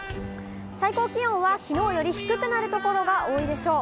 最高気温はきのうより低くなる所が多いでしょう。